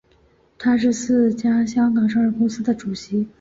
他是四家香港上市公司的主席。